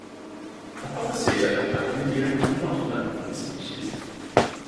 Apothecia and pycnidia are not known for this species.